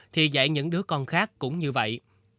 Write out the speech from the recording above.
thì dạy những đứa con khác cũng như vậy